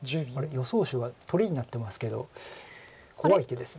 予想手は取りになってますけど怖い手です。